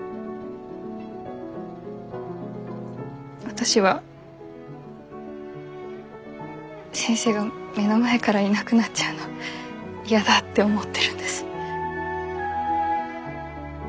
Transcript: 私は先生が目の前からいなくなっちゃうのやだって思ってるんです。